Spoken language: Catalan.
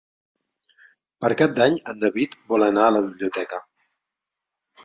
Per Cap d'Any en David vol anar a la biblioteca.